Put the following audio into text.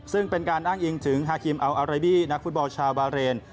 ซึ่งเป็นการอ้างอิงถึงฮาคิมอัลอาเรบี้นักฟุตบอลชาวบาเรน